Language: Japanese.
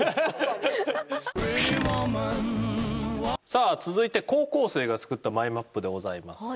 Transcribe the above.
さあ続いて高校生が作ったマイマップでございます。